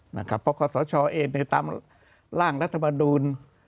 เพราะขอสชเองในตามร่างรัฐมนูล